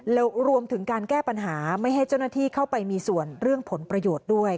แล้วรวมถึงการแก้ปัญหาไม่ให้เจ้าหน้าที่เข้าไปมีส่วนเรื่องผลประโยชน์ด้วย